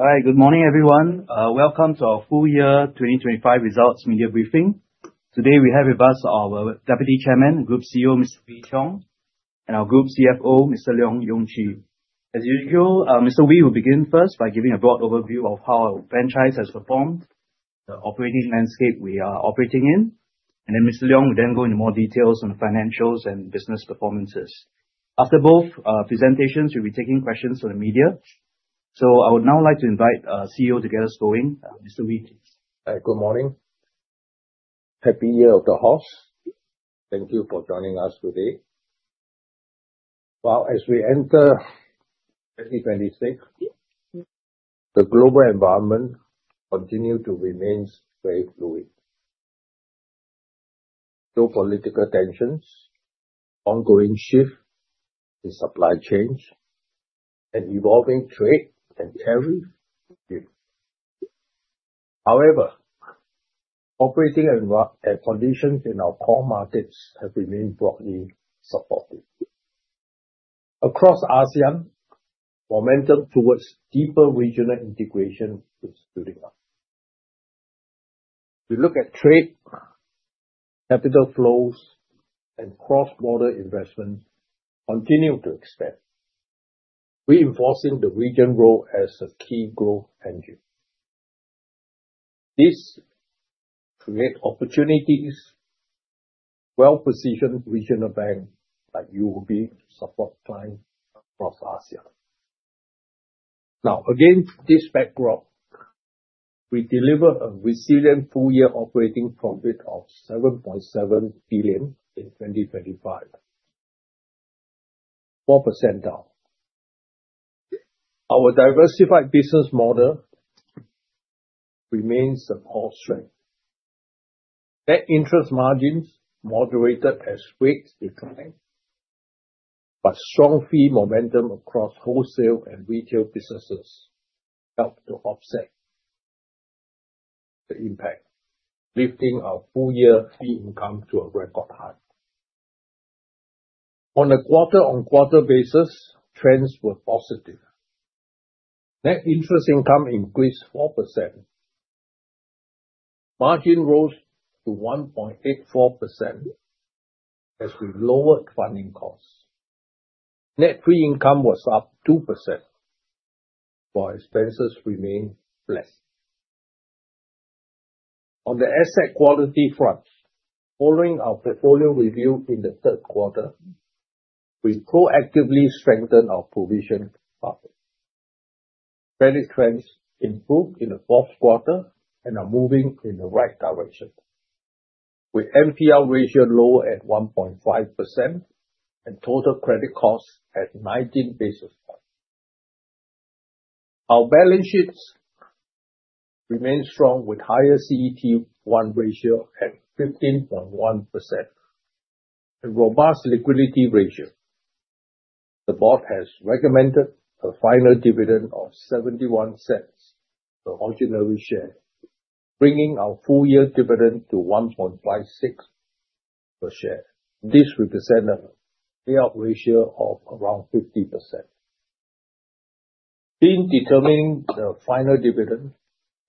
All right. Good morning, everyone. Welcome to our full year 2025 results media briefing. Today, we have with us our Deputy Chairman, Group CEO, Mr. Wee Ee Cheong, and our Group CFO, Mr. Leong Yung Chee. As usual, Mr. Wee will begin first by giving a broad overview of how our franchise has performed, the operating landscape we are operating in, and then Mr. Leong will then go into more details on the financials and business performances. After both presentations, we'll be taking questions from the media. I would now like to invite our CEO to get us going. Mr. Wee. Good morning. Happy Year of the Horse. Thank you for joining us today. Well, as we enter 2026, the global environment continue to remains very fluid. Geopolitical tensions, ongoing shift in supply chains, and evolving trade and tariff. Operating conditions in our core markets have remained broadly supportive. Across ASEAN, momentum towards deeper regional integration is building up. We look at trade, capital flows, and cross-border investment continue to expand, reinforcing the region role as a key growth engine. This create opportunities, well-positioned regional bank like UOB support clients across ASEAN. Against this backdrop, we deliver a resilient full year operating profit of 7.7 billion in 2025, 4% down. Our diversified business model remains a core strength. Net interest margins moderated as rates declined. Strong fee momentum across wholesale and retail businesses helped to offset the impact, lifting our full-year fee income to a record high. On a quarter-on-quarter basis, trends were positive. Net interest income increased 4%. Margin rose to 1.84% as we lowered funding costs. Net fee income was up 2%, while expenses remained flat. On the asset quality front, following our portfolio review in the 3rd quarter, we proactively strengthened our provision buffer. Credit trends improved in the 4th quarter and are moving in the right direction, with NPL ratio low at 1.5% and total credit costs at 19 basis points. Our balance sheets remain strong, with higher CET1 ratio at 15.1% and robust liquidity ratio. The board has recommended a final dividend of 0.71 per ordinary share, bringing our full year dividend to 1.56 per share. This represent a payout ratio of around 50%. In determining the final dividend,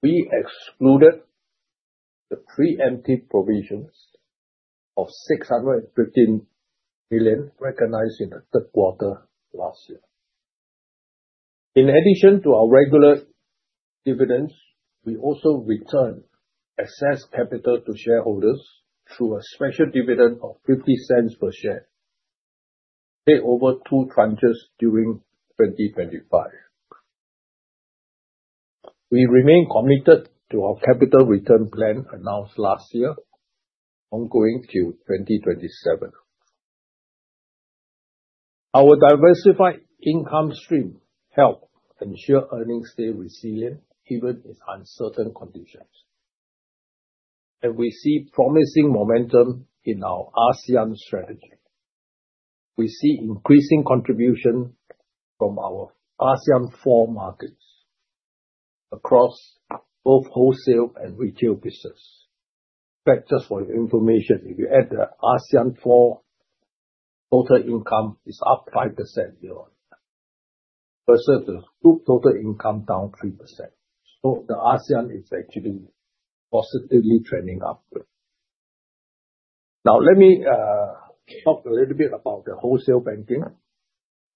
we excluded the preempted provisions of 615 billion, recognized in the third quarter last year. In addition to our regular dividends, we also returned excess capital to shareholders through a special dividend of 0.50 per share, paid over two tranches during 2025. We remain committed to our capital return plan announced last year, ongoing till 2027. Our diversified income stream help ensure earnings stay resilient, even in uncertain conditions, and we see promising momentum in our ASEAN strategy. We see increasing contribution from our ASEAN four markets across both wholesale and retail business. In fact, just for your information, if you add the ASEAN four, total income is up 5% year-on-year, versus the group total income down 3%. The ASEAN is actually positively trending upward. Now, let me talk a little bit about the wholesale banking.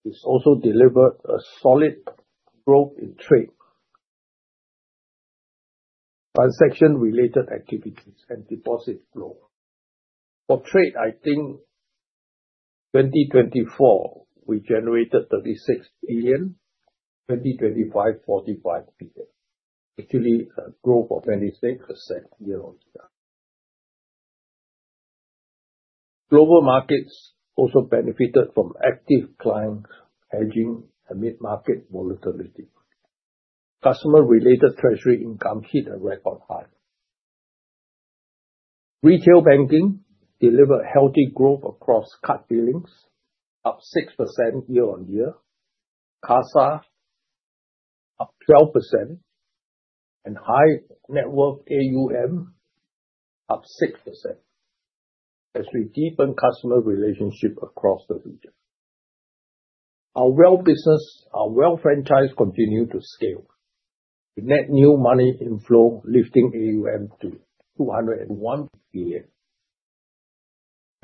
It's also delivered a solid growth in trade, transaction-related activities, and deposit flow. For trade, I think 2024, we generated 36 billion, 2025, 45 billion. Actually, a growth of 26% year-on-year. Global markets also benefited from active clients hedging amid market volatility. Customer-related treasury income hit a record high. Retail banking delivered healthy growth across card billings, up 6% year-on-year, CASA up 12% and high net worth AUM, up 6%, as we deepen customer relationship across the region. Our wealth business, our wealth franchise continue to scale, with net new money inflow lifting AUM to 201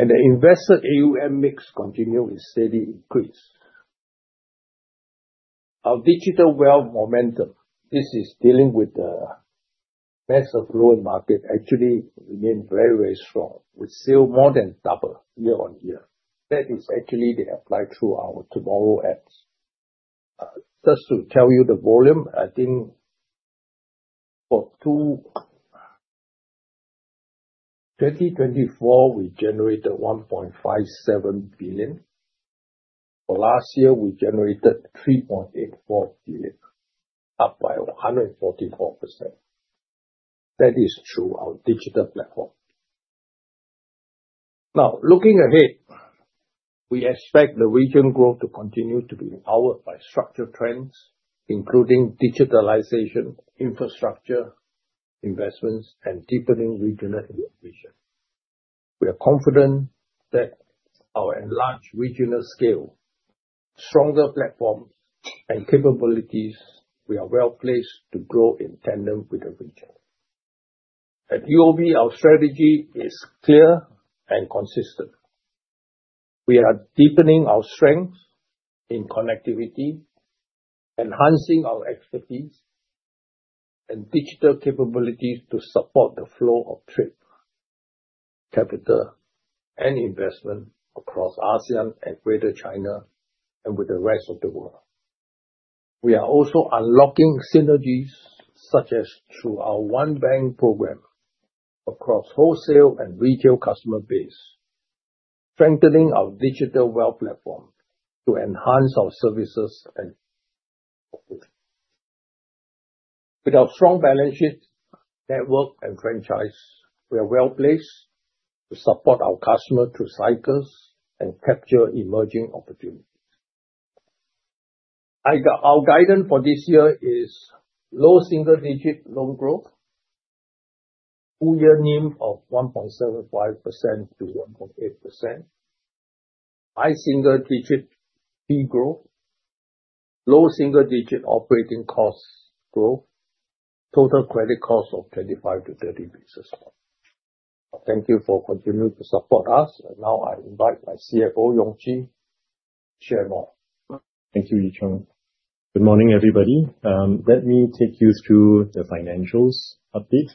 billion. The invested AUM mix continue with steady increase. Our digital wealth momentum, this is dealing with the banks of growing market, actually remain very, very strong, with still more than double year-on-year. That is actually they apply through our TMRW apps. Just to tell you the volume, I think for 2024, we generated 1.57 billion. For last year, we generated 3.84 billion, up by 144%. That is through our digital platform. Looking ahead, we expect the region growth to continue to be powered by structured trends, including digitalization, infrastructure, investments, and deepening regional integration. We are confident that our enlarged regional scale, stronger platform, and capabilities, we are well placed to grow in tandem with the region. At UOB, our strategy is clear and consistent. We are deepening our strength in connectivity, enhancing our expertise and digital capabilities to support the flow of trade, capital, and investment across ASEAN and Greater China, and with the rest of the world. We are also unlocking synergies, such as through our One Bank program across wholesale and retail customer base, strengthening our digital wealth platform to enhance our services. With our strong balance sheet, network, and franchise, we are well placed to support our customer through cycles and capture emerging opportunities. Our guidance for this year is low single-digit loan growth, full year NIM of 1.75%-1.8%, high single-digit fee growth, low single-digit operating costs growth, total credit cost of 25-30 basis points. Thank you for continuing to support us, and now I invite my CFO, Yong Gee, to share more. Thank you, Ee Cheong. Good morning, everybody. Let me take you through the financials update.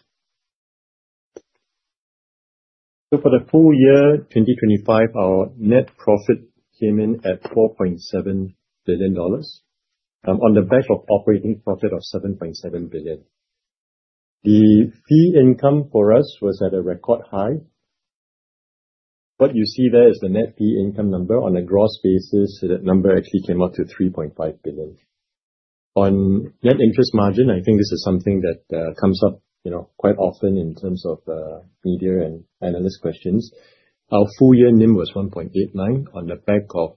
For the full year 2025, our net profit came in at 4.7 billion dollars, on the back of operating profit of 7.7 billion. The fee income for us was at a record high. What you see there is the net fee income number. On a gross basis, that number actually came up to 3.5 billion. On net interest margin, I think this is something that comes up, you know, quite often in terms of media and analyst questions. Our full year NIM was 1.89 on the back of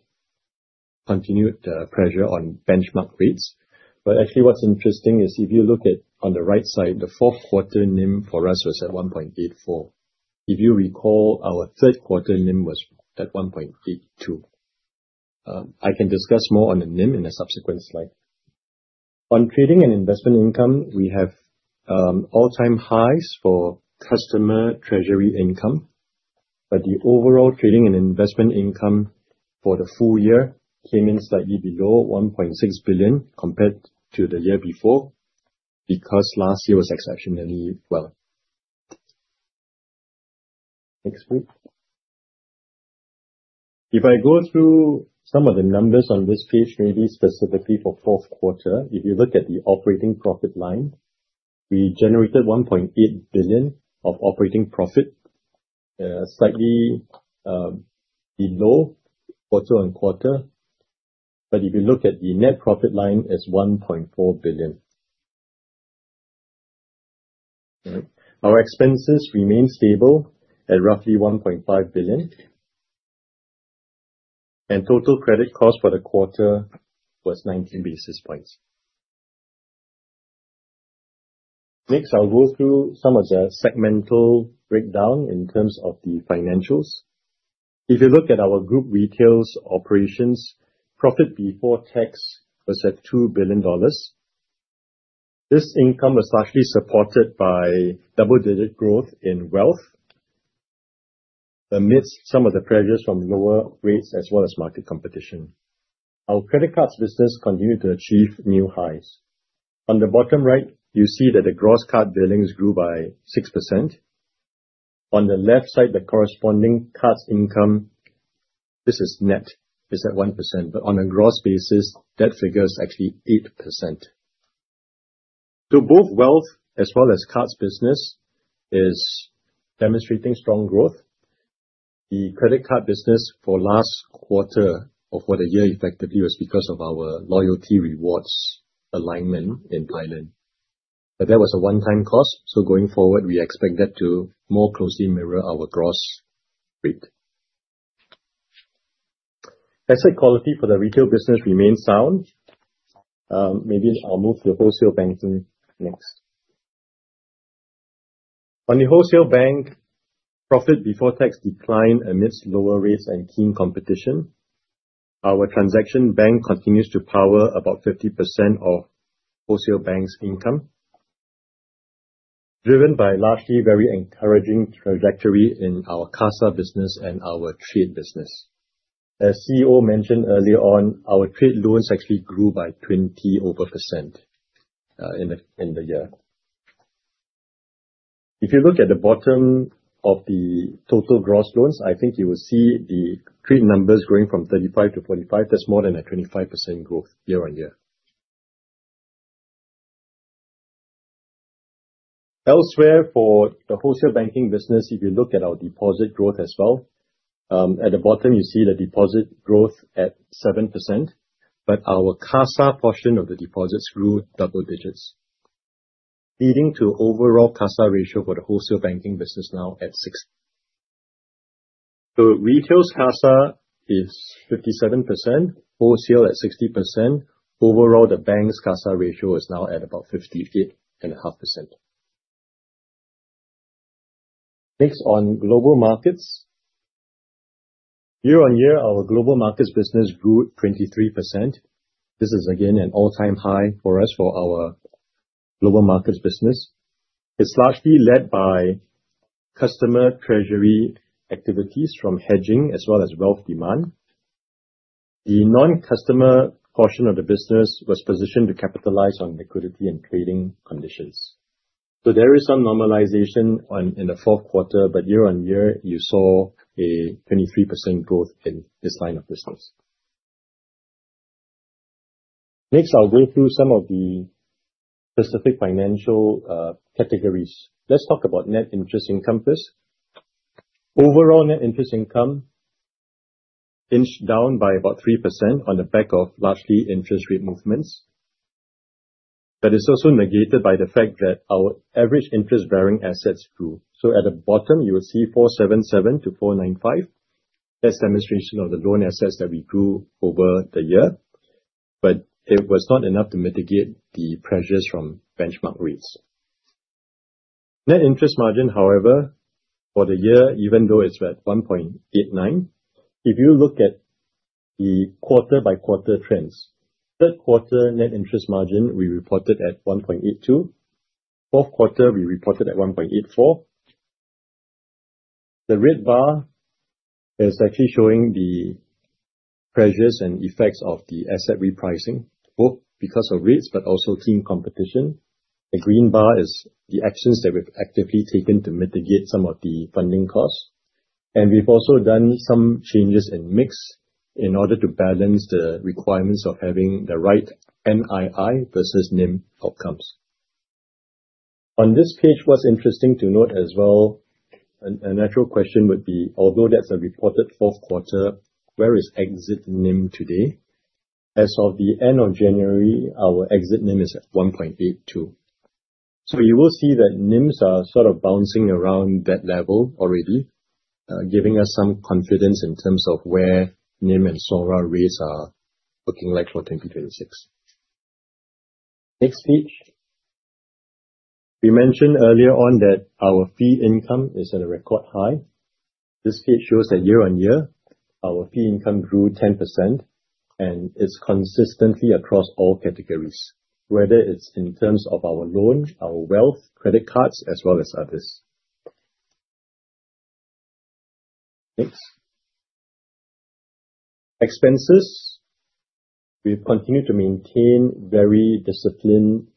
continued pressure on benchmark rates. Actually, what's interesting is if you look at, on the right side, the fourth quarter NIM for us was at 1.84. If you recall, our third quarter NIM was at 1.82. I can discuss more on the NIM in a subsequent slide. On trading and investment income, we have all-time highs for customer treasury income. The overall trading and investment income for the full year came in slightly below 1.6 billion compared to the year before, because last year was exceptionally well. Next, please. If I go through some of the numbers on this page, maybe specifically for fourth quarter, if you look at the operating profit line, we generated 1.8 billion of operating profit, slightly below also on quarter. If you look at the net profit line, it's 1.4 billion. All right. Our expenses remain stable at roughly 1.5 billion, and total credit cost for the quarter was 19 basis points. Next, I'll go through some of the segmental breakdown in terms of the financials. If you look at our group retails operations, profit before tax was at 2 billion dollars. This income was largely supported by double-digit growth in wealth, amidst some of the pressures from lower rates as well as market competition. Our credit cards business continued to achieve new highs. On the bottom right, you see that the gross card billings grew by 6%. On the left side, the corresponding cards income, this is net, is at 1%. On a gross basis, that figure is actually 8%. Both wealth as well as cards business is demonstrating strong growth. The credit card business for last quarter, or for the year effectively, was because of our loyalty rewards alignment in Thailand. That was a one-time cost, so going forward, we expect that to more closely mirror our gross rate. Asset quality for the retail business remains sound. Maybe I'll move to the wholesale banking next. On the wholesale bank, profit before tax declined amidst lower rates and keen competition. Our transaction bank continues to power about 50% of wholesale bank's income, driven by largely very encouraging trajectory in our CASA business and our trade business. As CEO mentioned earlier on, our trade loans actually grew by 20 over percent in the year. If you look at the bottom of the total gross loans, I think you will see the trade numbers growing from 35-45. That's more than a 25% growth year-on-year. Elsewhere, for the wholesale banking business, if you look at our deposit growth as well, at the bottom, you see the deposit growth at 7%, but our CASA portion of the deposits grew double digits, leading to overall CASA ratio for the wholesale banking business now at 6. Retail's CASA is 57%, wholesale at 60%. Overall, the bank's CASA ratio is now at about 58.5%. On global markets. Year-on-year, our global markets business grew 23%. This is again, an all-time high for us for our global markets business. It's largely led by customer treasury activities from hedging as well as wealth demand. The non-customer portion of the business was positioned to capitalize on liquidity and trading conditions. There is some normalization in the fourth quarter, but year-over-year, you saw a 23% growth in this line of business. Next, I'll go through some of the specific financial categories. Let's talk about net interest income first. Overall, net interest income inched down by about 3% on the back of largely interest rate movements. It's also negated by the fact that our average interest-bearing assets grew. At the bottom, you will see 477-495. That's demonstration of the loan assets that we grew over the year, but it was not enough to mitigate the pressures from benchmark rates. Net interest margin, however, for the year, even though it's at 1.89, if you look at the quarter-over-quarter trends, third quarter net interest margin, we reported at 1.82. Fourth quarter, we reported at 1.84. The red bar is actually showing the pressures and effects of the asset repricing, both because of rates but also keen competition. The green bar is the actions that we've actively taken to mitigate some of the funding costs, and we've also done some changes in mix in order to balance the requirements of having the right NII versus NIM outcomes. On this page, what's interesting to note as well, a natural question would be, although that's a reported fourth quarter, where is exit NIM today? As of the end of January, our exit NIM is at 1.82. You will see that NIMs are sort of bouncing around that level already, giving us some confidence in terms of where NIM and sovereign rates are looking like for 2026. Next page. We mentioned earlier on that our fee income is at a record high. This page shows that year-on-year, our fee income grew 10%, and it's consistently across all categories, whether it's in terms of our loan, our wealth, credit cards, as well as others. Next. Expenses. We've continued to maintain very disciplined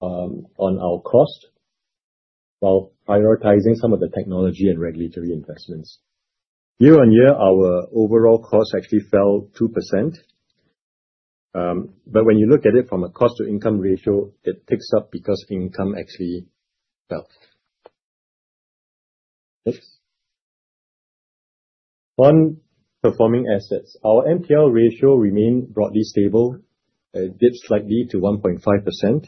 on our cost while prioritizing some of the technology and regulatory investments. Year-on-year, our overall cost actually fell 2%. When you look at it from a cost to income ratio, it ticks up because income actually fell. Next. On performing assets, our NPL ratio remained broadly stable. It dipped slightly to 1.5%.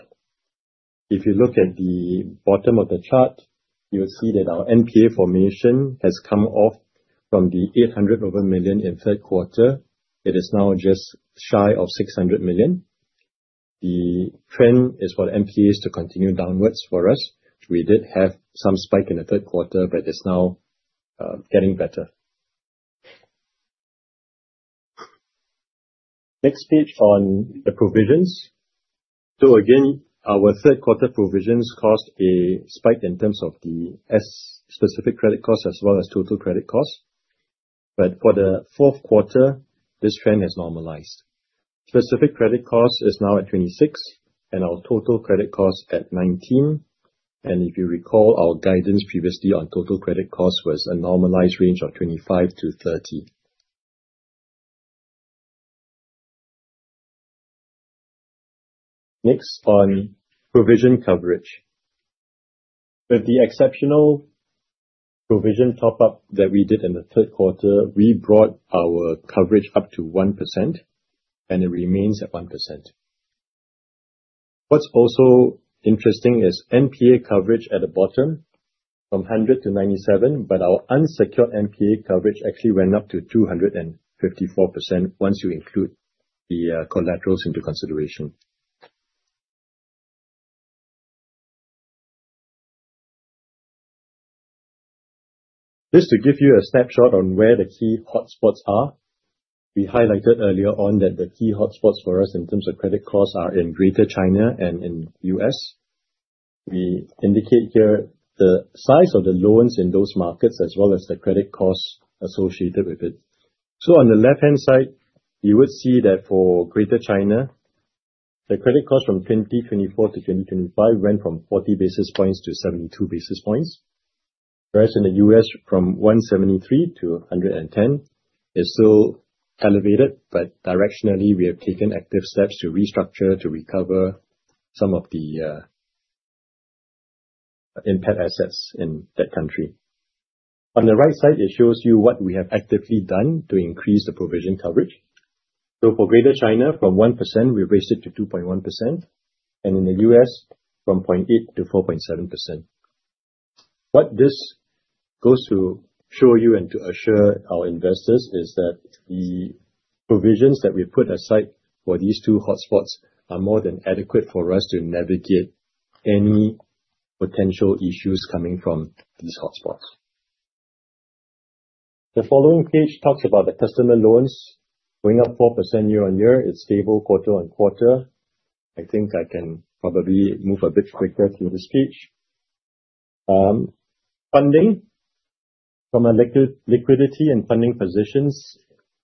If you look at the bottom of the chart, you will see that our NPA formation has come off from the 800+ million in third quarter. It is now just shy of 600 million. The trend is for NPAs to continue downwards for us. We did have some spike in the third quarter. It's now getting better. Next page on the provisions. Again, our third quarter provisions caused a spike in terms of the specific credit costs as well as total credit costs. For the fourth quarter, this trend has normalized. Specific credit cost is now at 26, and our total credit cost at 19. If you recall, our guidance previously on total credit cost was a normalized range of 25-30. Next, on provision coverage. With the exceptional provision top-up that we did in the third quarter, we brought our coverage up to 1%, and it remains at 1%. What's also interesting is NPA coverage at the bottom, from 100 to 97, but our unsecured NPA coverage actually went up to 254% once you include the collaterals into consideration. Just to give you a snapshot on where the key hotspots are, we highlighted earlier on that the key hotspots for us in terms of credit costs are in Greater China and in U.S. We indicate here the size of the loans in those markets, as well as the credit costs associated with it. On the left-hand side, you will see that for Greater China, the credit cost from 2024 to 2025 went from 40 basis points to 72 basis points, whereas in the U.S., from 173 to 110, is still elevated, but directionally, we have taken active steps to restructure, to recover some of the impaired assets in that country. On the right side, it shows you what we have actively done to increase the provision coverage. For Greater China, from 1%, we raised it to 2.1%, and in the U.S., from 0.8% to 4.7%. What this goes to show you and to assure our investors is that the provisions that we put aside for these two hotspots are more than adequate for us to navigate any potential issues coming from these hotspots. The following page talks about the customer loans going up 4% year-on-year, it's stable quarter-on-quarter. I think I can probably move a bit quicker through this page. Funding from a liquidity and funding positions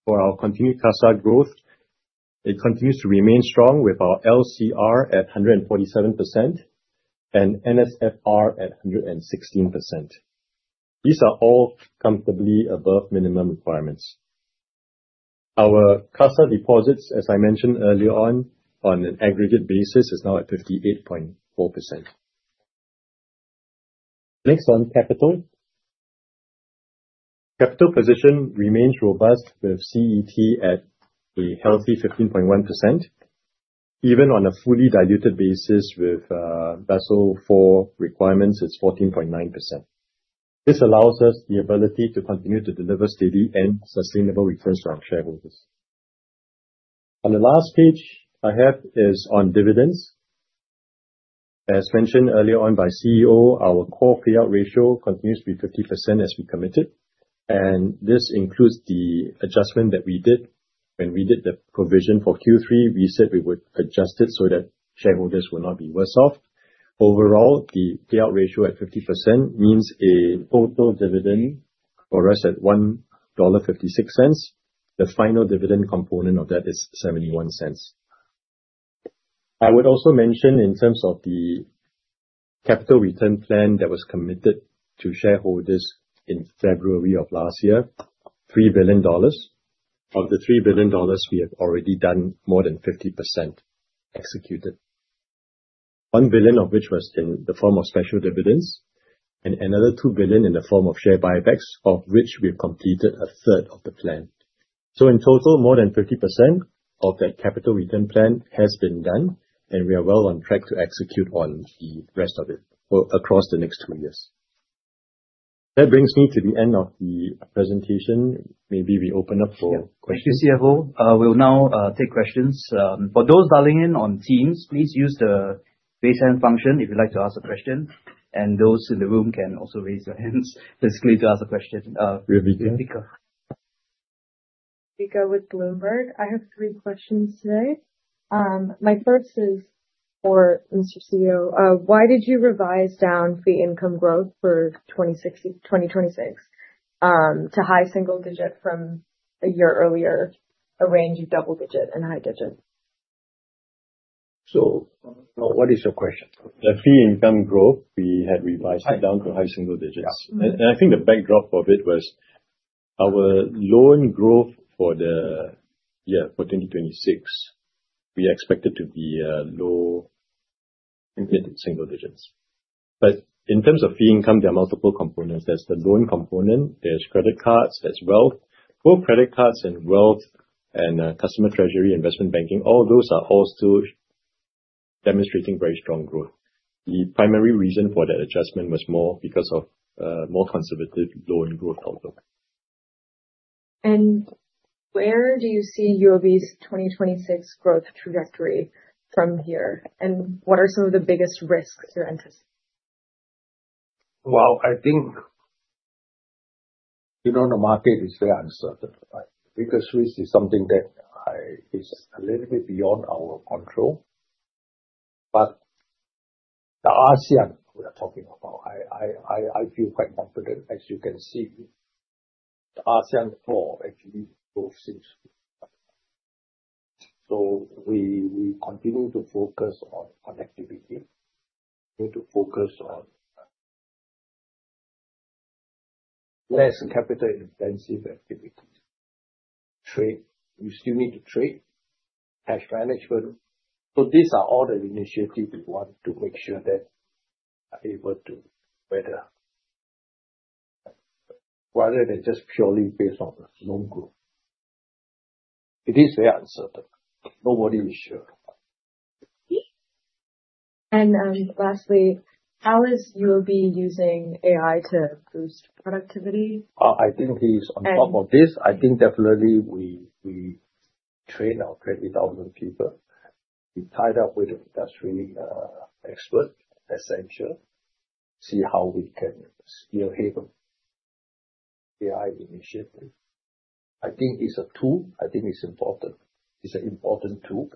for our continued CASA growth, it continues to remain strong with our LCR at 147% and NSFR at 116%. These are all comfortably above minimum requirements. Our CASA deposits, as I mentioned earlier on an aggregate basis, is now at 58.4%. Next, on capital. Capital position remains robust, with CET at a healthy 15.1%. Even on a fully diluted basis with Basel IV requirements, it's 14.9%. This allows us the ability to continue to deliver steady and sustainable returns for our shareholders. On the last page I have is on dividends. As mentioned earlier on by CEO, our core payout ratio continues to be 50% as we committed, and this includes the adjustment that we did. When we did the provision for Q3, we said we would adjust it so that shareholders will not be worse off. Overall, the payout ratio at 50% means a total dividend for us at 1.56 dollar. The final dividend component of that is SGD 0.71. I would also mention, in terms of the capital return plan that was committed to shareholders in February of last year, 3 billion dollars. Of the 3 billion dollars, we have already done more than 50% executed. 1 billion of which was in the form of special dividends, and another 2 billion in the form of share buybacks, of which we've completed a third of the plan. In total, more than 50% of that capital return plan has been done, and we are well on track to execute on the rest of it for across the next two years. That brings me to the end of the presentation. Maybe we open up for questions. Thank you, CFO. We'll now take questions. For those dialing in on Teams, please use the raise hand function if you'd like to ask a question, and those in the room can also raise your hands physically to ask a question. Vibeka? Vibeka with Bloomberg. I have three questions today. My first is for Mr. CEO. Why did you revise down fee income growth for 2026, to high single-digit from a year earlier, a range of double-digit and high-digit? What is your question? The fee income growth, we had revised it down to high single digits. Yeah. I think the backdrop of it was our loan growth for the year, for 2026, we expect it to be low mid-single digits. In terms of fee income, there are multiple components. There's the loan component, there's credit cards, there's wealth. Both credit cards and wealth, and customer treasury, investment banking, all those are all still demonstrating very strong growth. The primary reason for that adjustment was more because of more conservative loan growth outlook. Where do you see UOB's 2026 growth trajectory from here? What are some of the biggest risks you're interested in? Well, I think, you know, the market is very uncertain, right? Because risk is something that is a little bit beyond our control, but the ASEAN we are talking about, I feel quite confident. As you can see, the ASEAN 4 actually growth seems to be better. We, we continue to focus on connectivity. We need to focus on less capital-intensive activity. Trade, you still need to trade, cash management. These are all the initiatives we want to make sure that are able to weather out rather than just purely based on the loan group. It is very uncertain. Nobody is sure. Yeah. Lastly, how is UOB using AI to boost productivity? I think he's on top of this. I think definitely we train our 30,000 people. We tied up with an industrial expert, Accenture, see how we can scale Haven AI initiative. I think it's a tool. I think it's important. It's an important tool.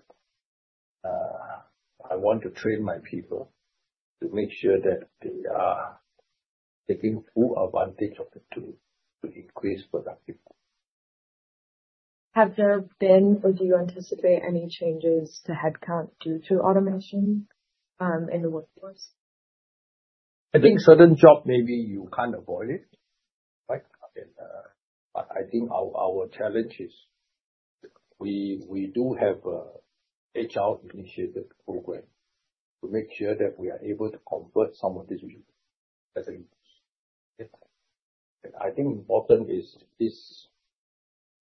I want to train my people to make sure that they are taking full advantage of the tool to increase productivity. Have there been, or do you anticipate any changes to headcount due to automation, in the workforce? I think certain job, maybe you can't avoid it, right? I think our challenge is we do have a HR initiative program to make sure that we are able to convert some of these people as a team. I think important is this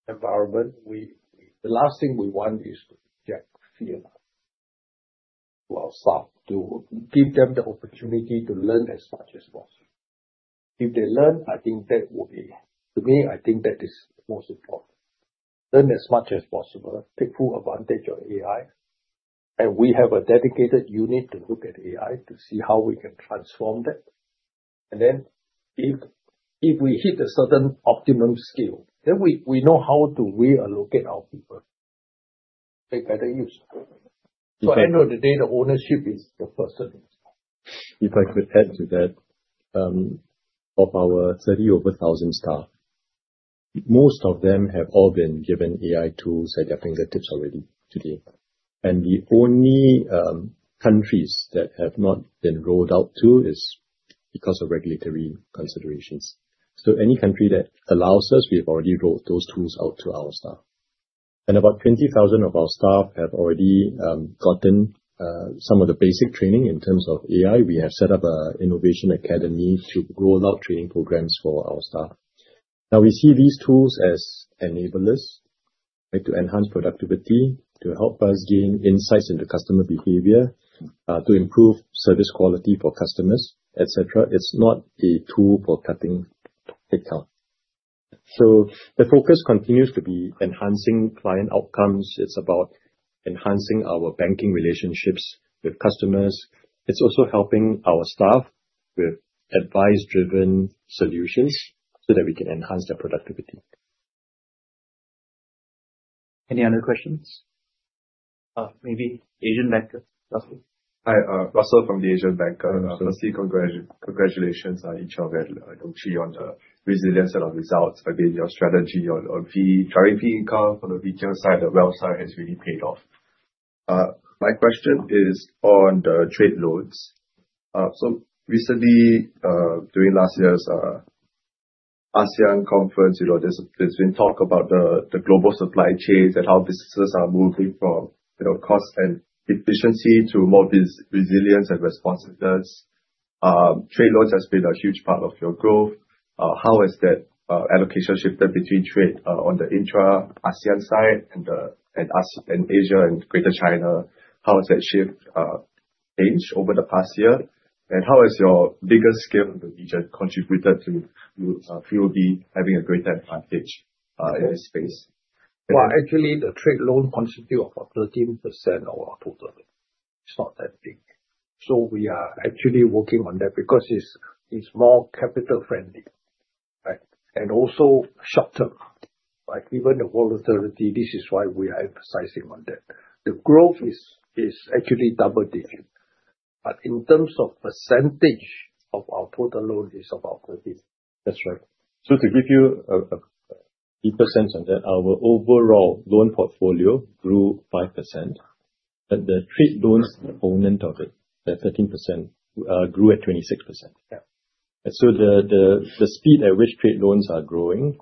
environment, the last thing we want is to get fear for our staff, to give them the opportunity to learn as much as possible. If they learn, I think that will be, to me, I think that is most important. Learn as much as possible, take full advantage of AI, and we have a dedicated unit to look at AI to see how we can transform that. Then if we hit a certain optimum scale, then we know how to reallocate our people. Make better use of it. At the end of the day, the ownership is the person. If I could add to that, of our 30 over thousand staff, most of them have all been given AI tools at their fingertips already today, and the only countries that have not been rolled out to is because of regulatory considerations. Any country that allows us, we have already rolled those tools out to our staff. About 20,000 of our staff have already gotten some of the basic training in terms of AI. We have set up a Innovation Academy to roll out training programs for our staff. We see these tools as enablers, like to enhance productivity, to help us gain insights into customer behavior, to improve service quality for customers, et cetera. It's not a tool for cutting headcount. The focus continues to be enhancing client outcomes. It's about enhancing our banking relationships with customers. It's also helping our staff with advice-driven solutions so that we can enhance their productivity. Any other questions? Maybe Asian Banker. Russell. Hi, Russell from The Asian Banker. Firstly, congratulations, each of you, on the resilient set of results. Again, your strategy on driving fee income from the retail side, the wealth side, has really paid off. My question is on the trade loans. Recently, during last year's ASEAN conference, you know, there's been talk about the global supply chains and how businesses are moving from, you know, cost and efficiency to more resilience and responsiveness. Trade loans has been a huge part of your growth. How has that allocation shifted between trade on the intra-ASEAN side and Asia and Greater China? How has that shift changed over the past year? How has your bigger scale in the region contributed to UOB having a greater advantage in this space? Well, actually, the trade loan constitute of about 13% of our total. It's not that big. We are actually working on that because it's more capital friendly, right? Also short term, like even the volatility, this is why we are emphasizing on that. The growth is actually double digit, in terms of percentage of our total loans, it's about 13. That's right. To give you a percent on that, our overall loan portfolio grew 5%, but the trade loans component of it, the 13%, grew at 26%. Yeah. The speed at which trade loans are growing,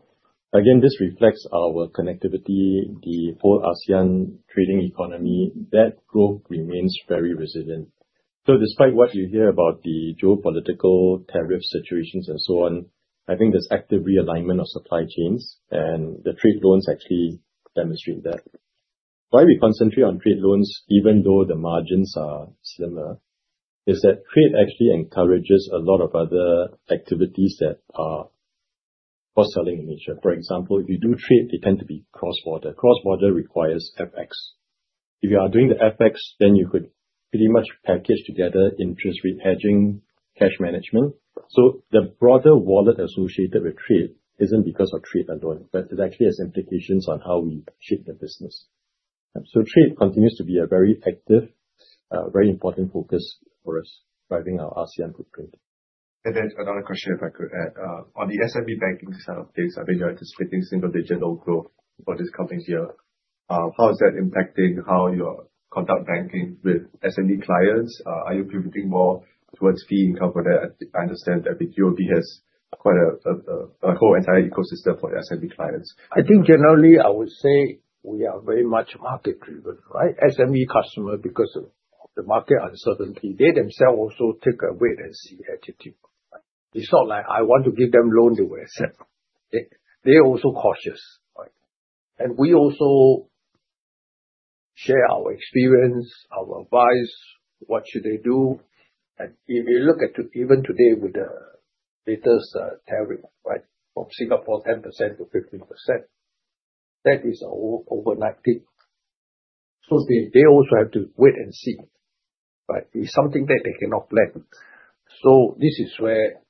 again, this reflects our connectivity, the whole ASEAN trading economy, that growth remains very resilient. Despite what you hear about the geopolitical tariff situations and so on, I think there's active realignment of supply chains, and the trade loans actually demonstrate that. Why we concentrate on trade loans, even though the margins are similar, is that trade actually encourages a lot of other activities that are cross-selling in nature. For example, if you do trade, they tend to be cross-border. Cross-border requires FX. If you are doing the FX, then you could pretty much package together interest rate hedging, cash management. The broader wallet associated with trade isn't because of trade alone, but it actually has implications on how we shape the business. trade continues to be a very active, very important focus for us, driving our ASEAN footprint. Another question, if I could add. On the SMB banking side of things, I think you are anticipating single-digit loan growth for this coming year. How is that impacting how you conduct banking with SMB clients? Are you looking more towards fee income for that? I understand that UOB has quite a whole entire ecosystem for SMB clients. I think generally I would say we are very much market driven, right? SMB customer, because of the market uncertainty, they themselves also take a wait and see attitude, right? It's not like I want to give them loan, they will accept. Okay? They are also cautious, right? We also share our experience, our advice, what should they do. If you look at to, even today, with the latest tariff, right, from Singapore, 10%-15%, that is overnight dip. They also have to wait and see, but it's something that they cannot plan. This is where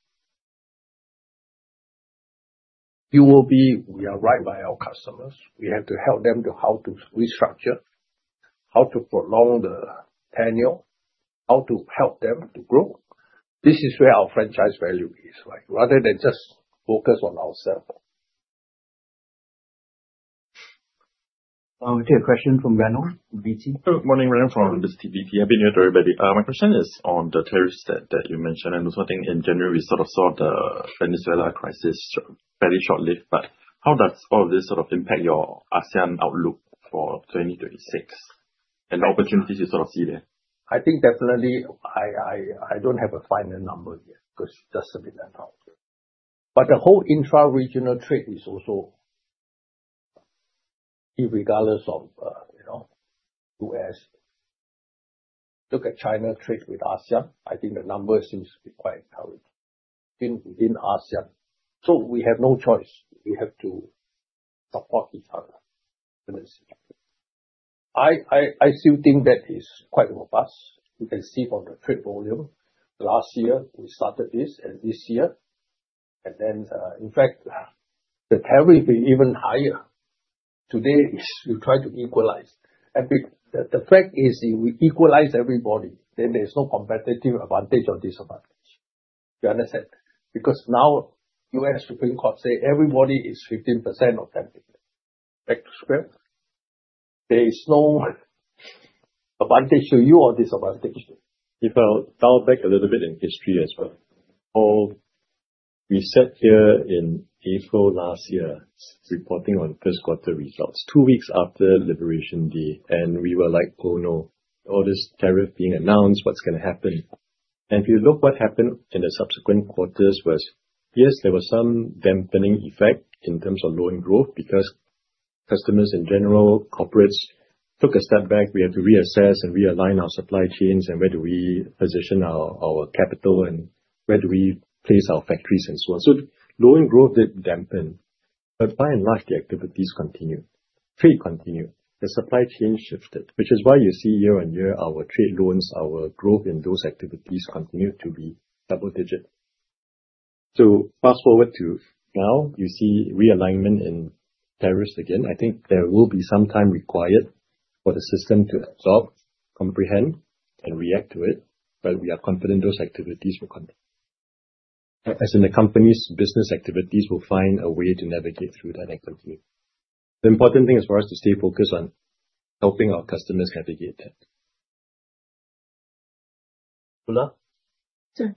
UOB, we are right by our customers. We have to help them to how to restructure, how to prolong the tenure, how to help them to grow. This is where our franchise value is, right? Rather than just focus on ourselves. We take a question from [Rano, BT]. Good morning, [Rano from BT]. Happy New Year, everybody. My question is on the terrorist that you mentioned, and also I think in January we sort of saw the Venezuelan crisis very short-lived. How does all of this sort of impact your ASEAN outlook for 2026, and the opportunities you sort of see there? I think definitely, I don't have a final number yet because it just a bit out. The whole intra-regional trade is also irregardless of, you know, U.S. Look at China trade with ASEAN, I think the number seems to be quite encouraging within ASEAN. We have no choice. We have to support each other. I still think that is quite robust. You can see from the trade volume, last year we started this, and this year. In fact, the tariff been even higher. Today, is we try to equalize. The fact is, if we equalize everybody, then there's no competitive advantage or disadvantage. Do you understand? Now, U.S. Supreme Court say everybody is 15% or 10%. Back to square. There is no advantage to you or disadvantage. If I dial back a little bit in history as well. We sat here in April last year, reporting on first quarter results, two weeks after Liberation Day, and we were like, "Oh, no, all this tariff being announced, what's going to happen?" If you look, what happened in the subsequent quarters was, yes, there was some dampening effect in terms of lowering growth, because customers in general, corporates, took a step back. We had to reassess and realign our supply chains, and where do we position our capital, and where do we place our factories and so on. Lowering growth did dampen, but by and large, the activities continued, trade continued, the supply chain shifted, which is why you see year-on-year, our trade loans, our growth in those activities continue to be double-digit. Fast forward to now, you see realignment in tariffs again. I think there will be some time required for the system to absorb, comprehend and react to it, but we are confident those activities will come. As in the company's business activities, we'll find a way to navigate through that and continue. The important thing is for us to stay focused on helping our customers navigate that. Mona? Sir,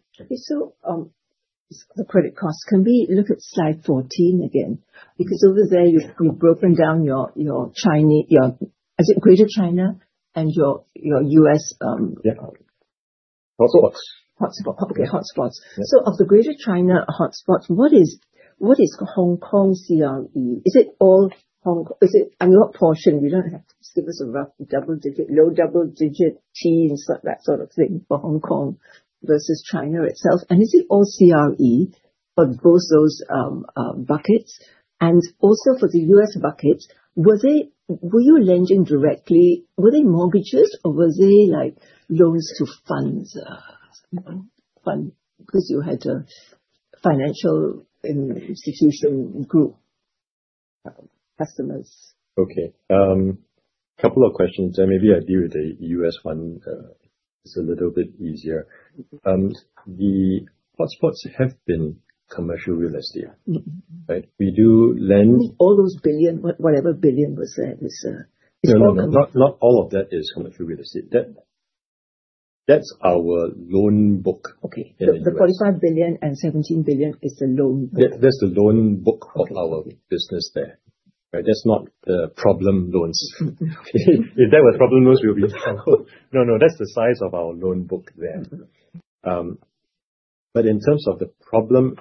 the credit cost, can we look at slide 14 again? Over there, you've broken down your Chinese, Is it Greater China and your U.S. Yeah. Hotspots. Hotspots. Okay, hotspots. Yeah. Of the Greater China hotspots, what is Hong Kong CRE? Is it all, I'm not portion, you don't have to give us a rough double digit, low double digit teen, sort, that sort of thing for Hong Kong versus China itself, and is it all CRE for both those buckets? For the U.S. buckets, were you lending directly, were they mortgages or were they like loans to funds? Because you had a financial institution group, customers. Okay, couple of questions, and maybe I deal with the U.S. one, it's a little bit easier. The hotspots have been commercial real estate. Mm-hmm. Right? We do lend- All those billion, whatever billion was there is. No, not all of that is commercial real estate. That's our loan book. Okay. Yeah. The 45 billion and 17 billion is the loan book. That's the loan book. Okay. - of our business there. Right? That's not the problem loans. If that were problem loans, we would be out. No, no, that's the size of our loan book there. Mm-hmm. In terms of the problem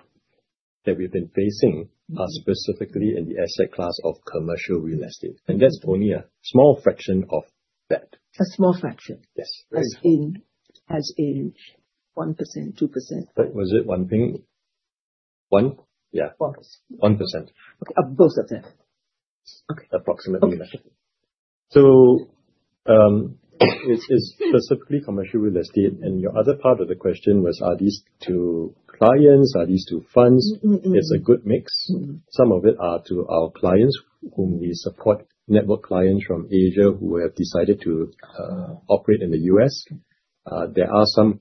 that we've been facing. Mm. Specifically in the asset class of commercial real estate, that's only a small fraction of that. A small fraction? Yes. As in 1%, 2%? Was it 1 thing? 1? Yeah. 1%. 1%. Of both of them? Okay. Approximately. Okay. It's specifically commercial real estate. Your other part of the question was, are these to clients? Are these to funds? Mm-hmm. It's a good mix. Mm-hmm. Some of it are to our clients, whom we support network clients from Asia who have decided to operate in the U.S. There are some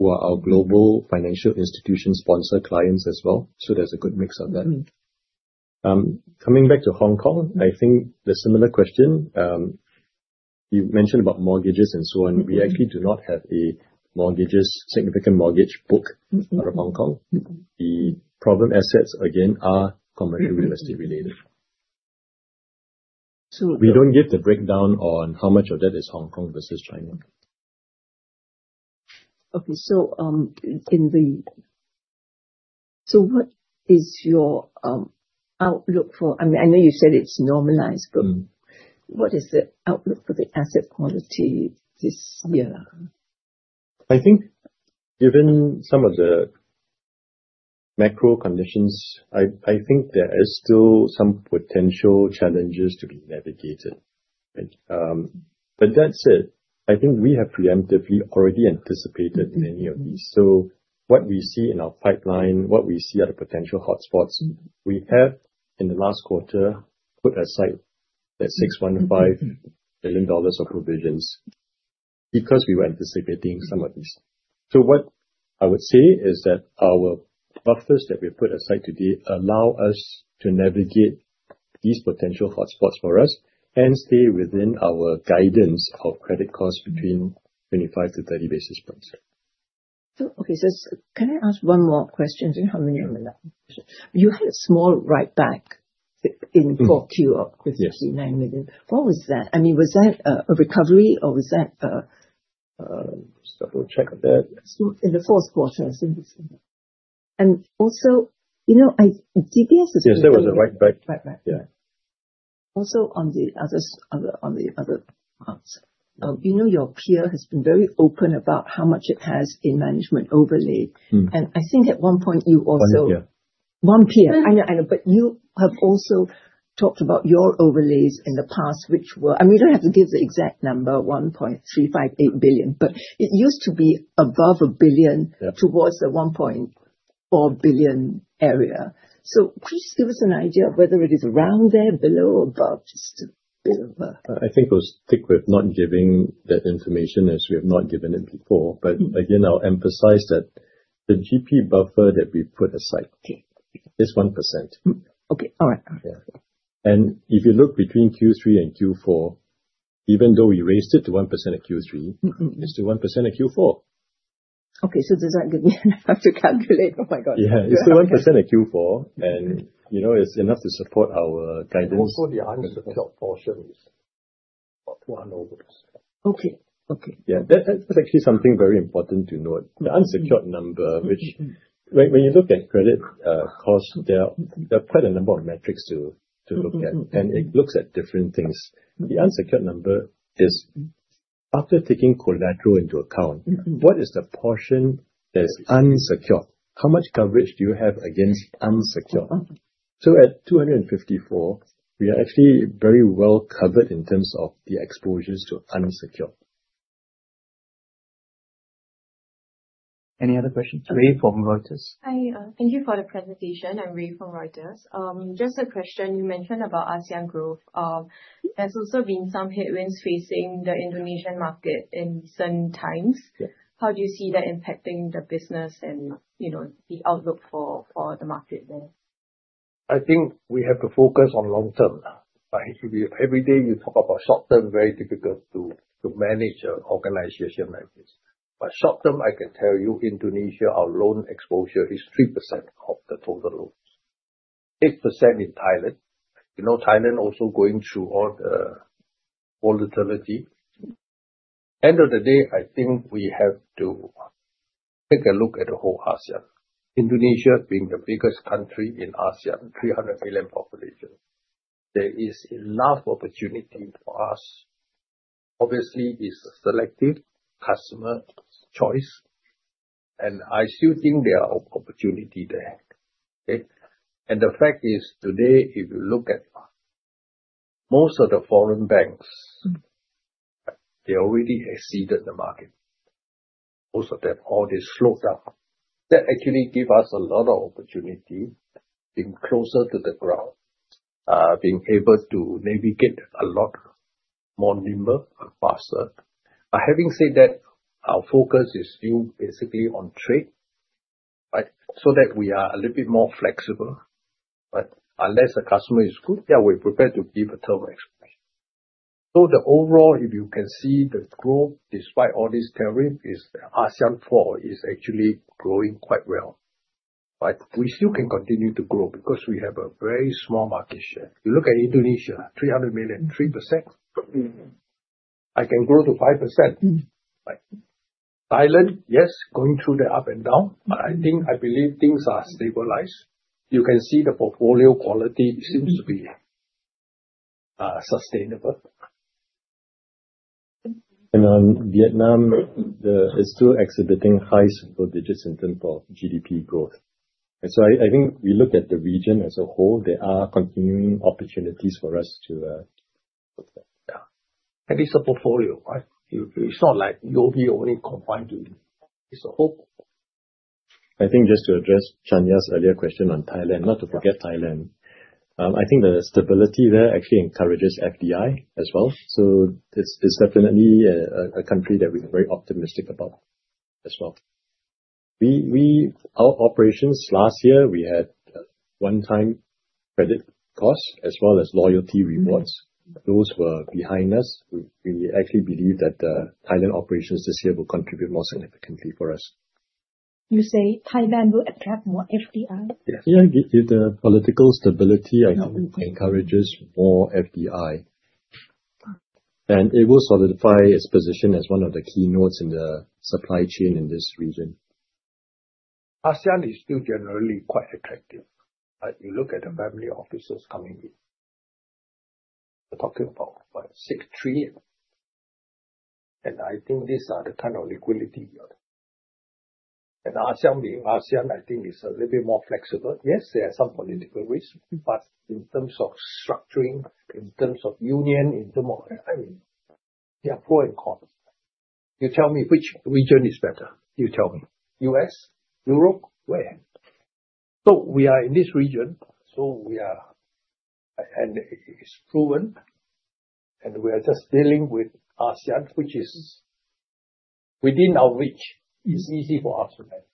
who are our global financial institution sponsor clients as well. There's a good mix of that. Mm. Coming back to Hong Kong, I think the similar question, you've mentioned about mortgages and so on. Mm-hmm. We actually do not have a mortgages, significant mortgage book. Mm-hmm. out of Hong Kong. Mm-hmm. The problem assets, again, are commercial real estate related. We don't give the breakdown on how much of that is Hong Kong versus China. Okay, what is your outlook for, I mean, I know you said it's normalized, but- Mm. What is the outlook for the asset quality this year? I think given some of the macro conditions, I think there is still some potential challenges to be navigated. Right? That said, I think we have preemptively already anticipated many of these. What we see in our pipeline, what we see are the potential hotspots. We have, in the last quarter, put aside that 615 billion dollars of provisions because we were anticipating some of these. What I would say is that our buffers that we've put aside today allow us to navigate these potential hotspots for us and stay within our guidance of credit costs between 25-30 basis points. Okay, can I ask one more question? Do you know how many are left? You had a small write back in 4Q. Yes. -of 99 million. What was that? I mean, was that a recovery, or was that? Just double-check there. In the fourth quarter. Also, you know, GPS is Yes, there was a write back. Write back. Yeah. On the other parts, you know, your peer has been very open about how much it has in management overlay. Mm. I think at one point, you also- One peer. One peer. I know, I know, but you have also talked about your overlays in the past, which were I mean, you don't have to give the exact number, 1.358 billion, but it used to be above 1 billion. Yeah. towards the 1.4 billion area. Please give us an idea of whether it is around there, below or above. Just a bit of. I think we'll stick with not giving that information, as we have not given it before. Mm. Again, I'll emphasize that the GP buffer that we've put aside. Okay. is 1%. Okay. All right. Yeah. If you look between Q3 and Q4, even though we raised it to 1% in Q3. Mm-hmm. it's still 1% in Q4. Okay, does that give me enough to calculate? Oh, my God. Yeah. It's still 1% in Q4, and, you know, it's enough to support our guidance. The unsecured portion is about 200. Okay. Okay. Yeah, that's actually something very important to note. Mm-hmm. The unsecured number, which- Mm-hmm. When you look at credit, costs, there are. Mm-hmm. there are quite a number of metrics to look at. Mm-hmm. It looks at different things. Mm-hmm. The unsecured number is after taking collateral into account. Mm-hmm. What is the portion that is unsecured? How much coverage do you have against unsecured? Mm-hmm. At 254, we are actually very well covered in terms of the exposures to unsecured. Any other questions? Rae from Reuters. Hi, thank you for the presentation. I'm Rae from Reuters. Just a question, you mentioned about ASEAN growth. There's also been some headwinds facing the Indonesian market in certain times. Yeah. How do you see that impacting the business and, you know, the outlook for the market there? I think we have to focus on long term, right? If we, every day you talk about short term, very difficult to manage an organization like this. Short term, I can tell you, Indonesia, our loan exposure is 3% of the total loans. 8% in Thailand. You know, Thailand also going through all the volatility. End of the day, I think we have to take a look at the whole ASEAN. Indonesia being the biggest country in ASEAN, 300 million population, there is enough opportunity for us. Obviously, it's selective customer choice, and I still think there are opportunity there. Okay? The fact is, today, if you look at most of the foreign banks- Mm. They already exceeded the market. Most of them, all they slowed down. That actually give us a lot of opportunity, being closer to the ground, being able to navigate a lot more nimble and faster. Having said that, our focus is still basically on trade, right? That we are a little bit more flexible. Unless a customer is good, yeah, we're prepared to give a term explanation. The overall, if you can see the growth, despite all these tariff, is ASEAN 4 is actually growing quite well. We still can continue to grow because we have a very small market share. You look at Indonesia, 300 million, 3%. Mm-hmm. I can grow to 5%. Mm. Right. Thailand, yes, going through the up and down- Mm. I think, I believe things are stabilized. You can see the portfolio quality seems to be sustainable. Vietnam is still exhibiting high single digits in terms of GDP growth. I think we look at the region as a whole, there are continuing opportunities for us to look at. Yeah, it's a portfolio, right? It's not like you'll be only confined to, It's a whole. I think just to address Chanya's earlier question on Thailand, not to forget Thailand. I think the stability there actually encourages FDI as well, so it's definitely a country that we're very optimistic about as well. Our operations last year, we had a one-time credit cost as well as loyalty rewards. Mm-hmm. Those were behind us. We actually believe that, Thailand operations this year will contribute more significantly for us. You say Thailand will attract more FDI? Yeah, the political stability, I think, encourages more FDI. It will solidify its position as one of the key nodes in the supply chain in this region. ASEAN is still generally quite attractive, you look at the family offices coming in. We're talking about what? six, three. I think these are the kind of liquidity, and ASEAN being ASEAN, I think, is a little bit more flexible. Yes, there are some political risks, but in terms of structuring, in terms of union, in terms of everything, there are pros and cons. You tell me, which region is better? You tell me. U.S., Europe, where? We are in this region, we are, and it's proven, and we are just dealing with ASEAN, which is within our reach. It's easy for us to manage.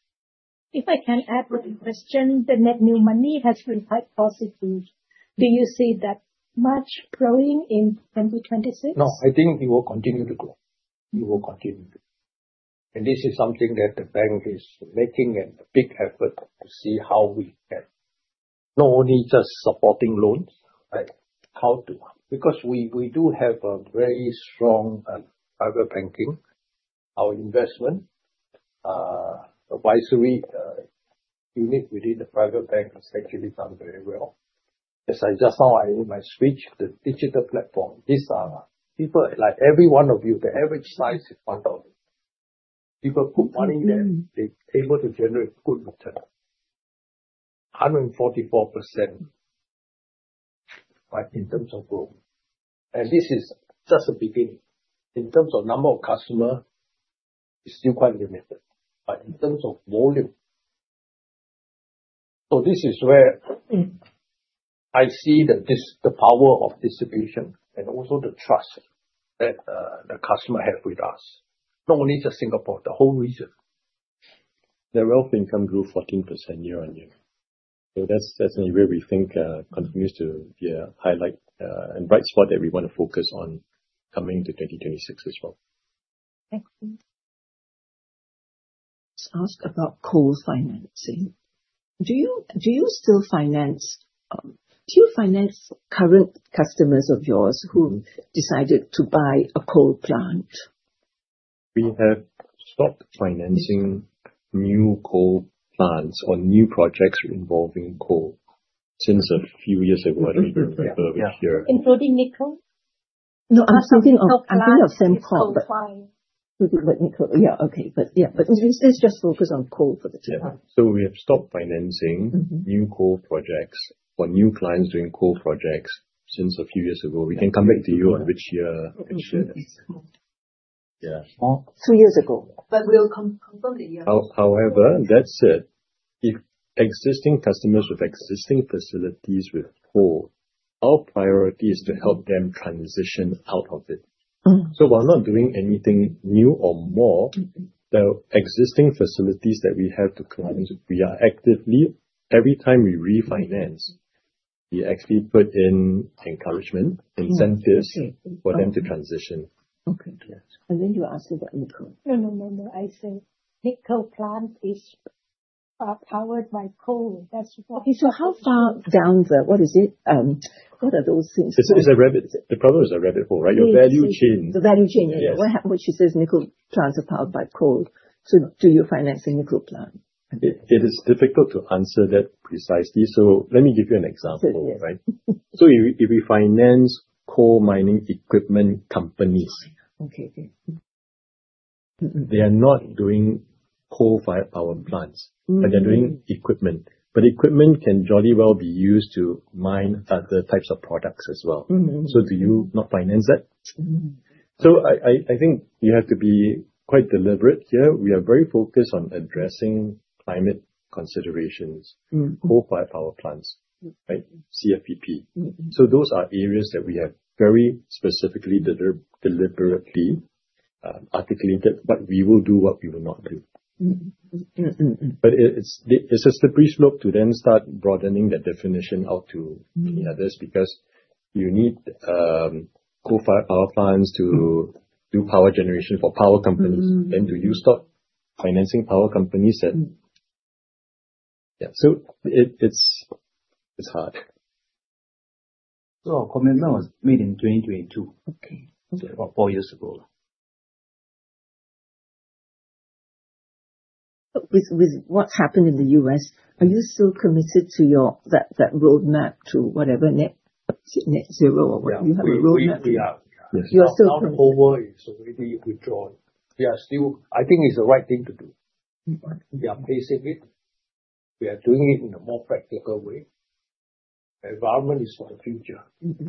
If I can add one question, the net new money has been quite positive. Do you see that much growing in 2026? No, I think it will continue to grow. It will continue to grow. This is something that the bank is making a big effort to see how we can, not only just supporting loans, but how to. Because we do have a very strong private banking. Our investment advisory unit within the private bank has actually done very well. As I just now, in my speech, the digital platform, these are people like every one of you, the average size is 1,000. People put money there, they able to generate good return, 144%, but in terms of growth. This is just a beginning. In terms of number of customer, it's still quite limited, but in terms of volume. This is where I see the power of distribution and also the trust that the customer have with us. Not only just Singapore, the whole region. The wealth income grew 14% year-on-year. That's an area we think continues to highlight and bright spot that we wanna focus on coming to 2026 as well. Excellent. Ask about coal financing. Do you still finance, do you finance current customers of yours who decided to buy a coal plant? We have stopped financing new coal plants or new projects involving coal since a few years ago. I don't remember which year. Including nickel? No, I'm talking of Sembcorp. Nickel. Yeah. Okay. Yeah, but let's just focus on coal for the time. Yeah. We have stopped financing- Mm-hmm. New coal projects or new clients doing coal projects since a few years ago. We can come back to you on which year. Okay, sure. Yeah. Well- Two years ago. We'll come, confirm the year. However, that said, if existing customers with existing facilities with coal, our priority is to help them transition out of it. Mm. We're not doing anything new or more. Mm-hmm. The existing facilities that we have to clients, we are actively. Every time we refinance, we actually put in encouragement, incentives. Mm. Okay. for them to transition. Okay. Yeah. You asked about nickel. No, no, no. I say, nickel plant is powered by coal. How far down the, what is it? What are those things? It's a rabbit. The problem is a rabbit hole, right? Your value chain. The value chain. Yes. When she says nickel plants are powered by coal, so do you finance a nickel plant? It is difficult to answer that precisely. Let me give you an example, right? Yes. If we finance coal mining equipment companies. Okay. Mm-hmm. They are not doing coal-fired power plants. Mm-hmm. They're doing equipment. Equipment can jolly well be used to mine other types of products as well. Mm-hmm. Do you not finance that? Mm-hmm. I think you have to be quite deliberate here. We are very focused on addressing climate considerations. Mm. Coal-fired power plants, right? CFPP. Mm-hmm. Those are areas that we have very specifically, deliberately articulated, what we will do, what we will not do. Mm-hmm. Mm-hmm, mm. It's a slippery slope to then start broadening that definition out. Mm. many others, because you need coal-fired power plants to. Mm. do power generation for power companies. Mm-hmm. Do you stop financing power companies then? Mm. Yeah, it's hard. Our commitment was made in 2022. Okay. Okay. About four years ago. With what happened in the U.S., are you still committed to that roadmap to whatever net zero or what you have a roadmap? We are. You are. Not over, so maybe withdraw. We are still. I think it's the right thing to do. Mm-hmm. We are pacing it. We are doing it in a more practical way. Environment is for the future. Mm-hmm.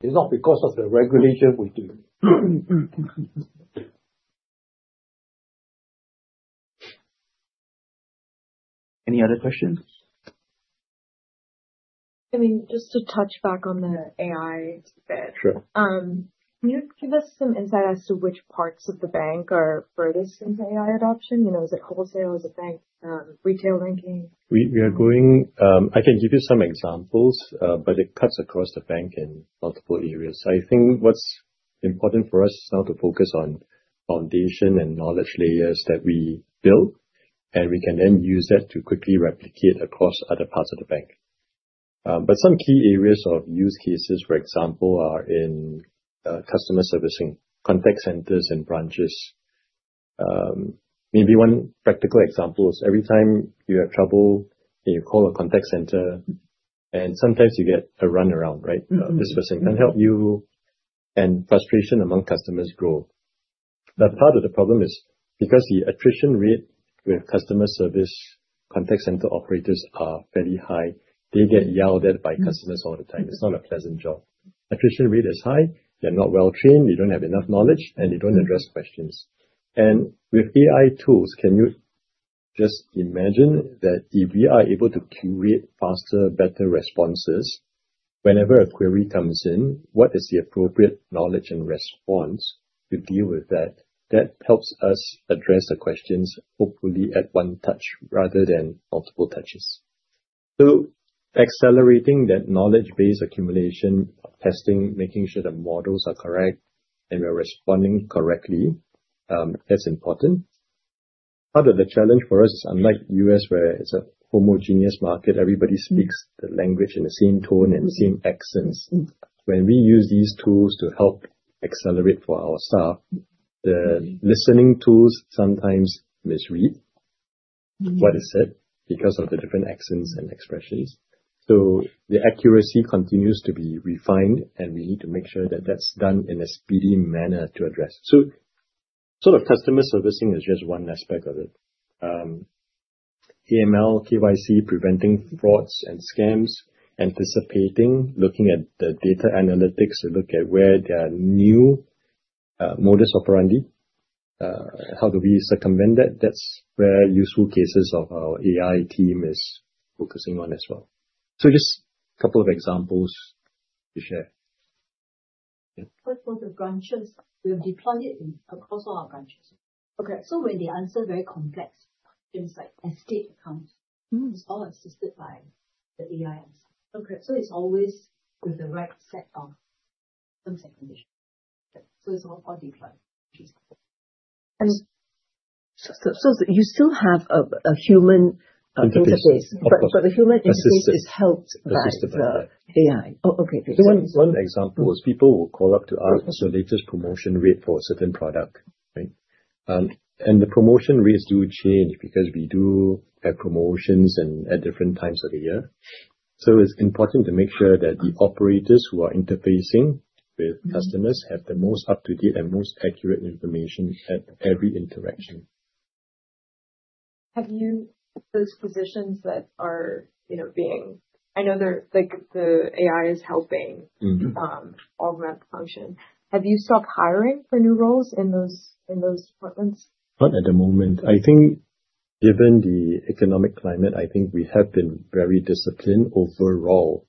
It's not because of the regulation we do. Any other questions? I mean, just to touch back on the AI bit. Sure. Can you give us some insight as to which parts of the bank are furthest in AI adoption? You know, is it wholesale? Is it bank, retail banking? We are going, I can give you some examples, but it cuts across the bank in multiple areas. I think what's important for us now to focus on foundation and knowledge layers that we build, and we can then use that to quickly replicate across other parts of the bank. Some key areas of use cases, for example, are in customer servicing, contact centers and branches. Maybe one practical example is every time you have trouble and you call a contact center, and sometimes you get a run around, right? Mm-hmm. This person can help you, frustration among customers grow. Part of the problem is because the attrition rate with customer service, contact center operators are very high. They get yelled at by customers all the time. It's not a pleasant job. Attrition rate is high, they're not well trained, they don't have enough knowledge, and they don't address questions. With AI tools, can you just imagine that if we are able to curate faster, better responses, whenever a query comes in, what is the appropriate knowledge and response to deal with that? That helps us address the questions, hopefully at one touch rather than multiple touches. Accelerating that knowledge base accumulation, testing, making sure the models are correct and we are responding correctly, that's important. Part of the challenge for us, unlike U.S., where it's a homogeneous market, everybody speaks the language in the same tone and the same accents. When we use these tools to help accelerate for our staff, the listening tools sometimes misread what is said because of the different accents and expressions. The accuracy continues to be refined, and we need to make sure that that's done in a speedy manner to address. The customer servicing is just one aspect of it. AML, KYC, preventing frauds and scams, anticipating, looking at the data analytics to look at where there are new modus operandi, how do we circumvent that. That's where useful cases of our AI team is focusing on as well. Just a couple of examples to share. For the branches, we have deployed it across all our branches. When they answer very complex things, like estate accounts, it's all assisted by the AI. It's always with the right set of terms and conditions. It's all part deployed. You still have a human interface? Interface. The human interface is helped by the. Assisted. A.I. Oh, okay. One example is people will call up to ask us the latest promotion rate for a certain product, right? The promotion rates do change because we do have promotions at different times of the year. It's important to make sure that the operators who are interfacing with customers have the most up-to-date and most accurate information at every interaction. Those positions that are, you know, I know they're, like, the AI is helping. Mm-hmm. augment the function. Have you stopped hiring for new roles in those departments? Not at the moment. I think given the economic climate, I think we have been very disciplined overall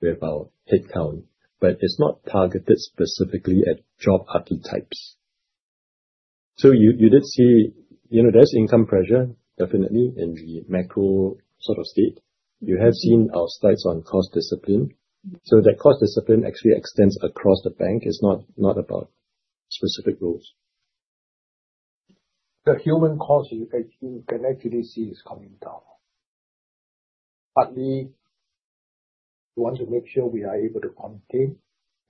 with our headcount, but it's not targeted specifically at job archetypes. You, you did see, you know, there's income pressure, definitely in the macro sort of state. You have seen our slides on cost discipline. That cost discipline actually extends across the bank, it's not about specific roles. The human cost, you can actually see is coming down. We want to make sure we are able to compete,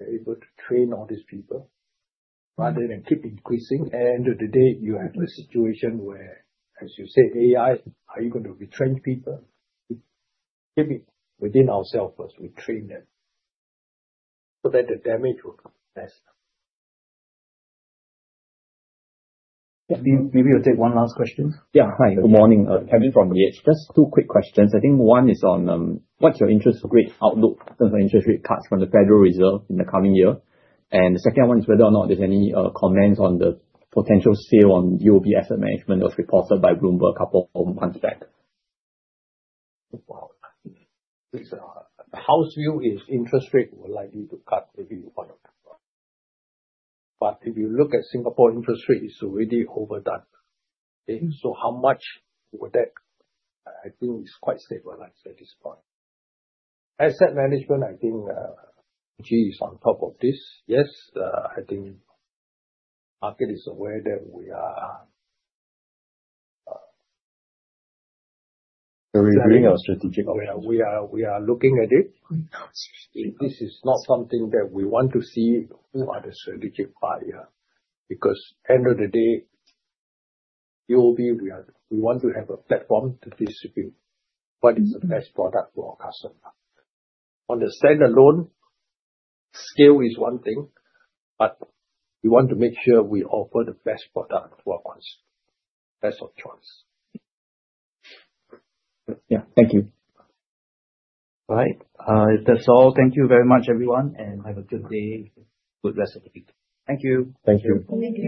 we're able to train all these people rather than keep increasing. At the end of the day, you have a situation where, as you said, AI, are you going to retrain people? Keep it within ourselves as we train them, so that the damage will come less. Maybe you'll take one last question. Yeah. Hi, good morning. Kevin from [BH]. Just two quick questions. I think one is on what's your interest rate outlook for interest rate cuts from the Federal Reserve in the coming year? The second one is whether or not there's any comments on the potential sale on UOB Asset Management as reported by Bloomberg a couple of months back. It's, house view is interest rate were likely to cut maybe one of them. But if you look at Singapore, interest rate is already overdone. Okay? So how much would that I think it's quite stabilized at this point. Asset management, I think, Gee is on top of this. Yes, I think market is aware that we are. Are we doing our strategic outreach? We are looking at it. This is not something that we want to see who are the strategic buyer, because end of the day, UOB, we want to have a platform to distribute what is the best product for our customer. On the stand-alone, scale is one thing, but we want to make sure we offer the best product for our customer. Best of choice. Yeah. Thank you. All right. If that's all, thank you very much, everyone, and have a good day. Good rest of the week. Thank you. Thank you. Thank you.